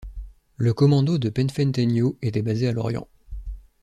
Le Commando de Penfentenyo est basé à Lorient.